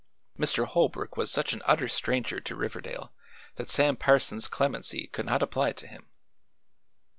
Mr. Holbrook was such an utter stranger to Riverdale that Sam Parsons' clemency could not apply to him.